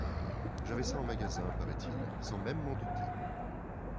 J’avais ça en magasin, paraît-il, sans même m’en douter.